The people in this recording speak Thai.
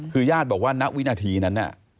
คือญาติบอกว่าณวินาทีนั้น